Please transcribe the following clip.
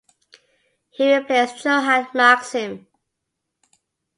He replaced Juhan Maksim.